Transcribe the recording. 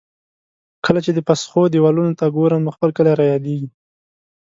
کله چې د پسخو دېوالونو ته ګورم، نو خپل کلی را یادېږي.